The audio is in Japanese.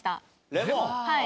はい。